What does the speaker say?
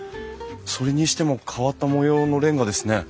それにしても変わった模様のレンガですね。